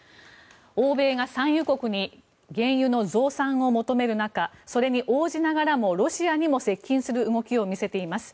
欧米が産油国に原油の増産を求める中それに応じながらもロシアにも接近する動きを見せています。